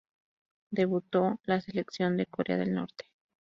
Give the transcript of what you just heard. Debutó la selección de Corea del Norte.